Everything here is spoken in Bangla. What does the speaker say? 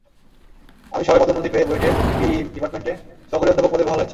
আমি সবে পদোন্নতি পেয়ে বুয়েটের ইইই ডিপার্টমেন্টে সহকারী অধ্যাপক পদে বহাল হয়েছি।